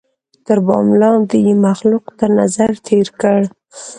تر بام لاندي یې مخلوق تر نظر تېر کړ